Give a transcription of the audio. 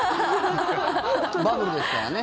バブルですからね。